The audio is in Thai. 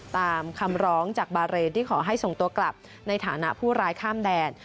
ตามคำร้องจากบาเรนที่ขอให้ส่งตัวกลับในฐานะผู้ร้ายข้ามแดน